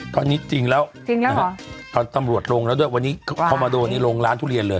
ก็นี่จริงแล้วก็ตำรวจลงแล้วด้วยวันนี้พอมาเข้าดังนี้ลงร้านทุเรียนเลย